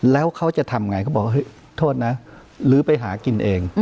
แล้วเขาจะทำไงเขาบอกเฮ้ยโทษนะหรือไปหากินเอง